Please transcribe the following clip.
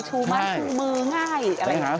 ชูไม้ชูมือง่ายอะไรอย่างนี้